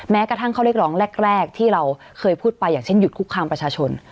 แม้กระทั่งข้อเรียกร้องแรกที่เราเคยพูดไปอย่างเช่นหยุดคุกคามประชาชน